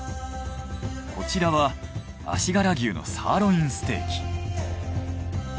こちらは足柄牛のサーロインステーキ。